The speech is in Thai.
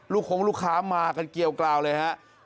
คงลูกค้ามากันเกียวกราวเลยฮะ